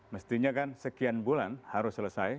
mestinya kan sekian bulan harus selesai